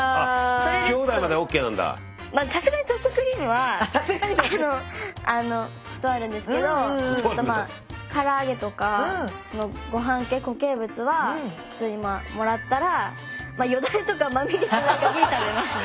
さすがにソフトクリームは断るんですけどから揚げとかごはん系固形物はついもらったらよだれとかまみれてないかぎり食べますね。